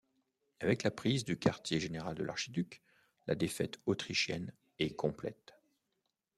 Avec la prise du quartier général de l’archiduc, la défaite autrichienne est complète.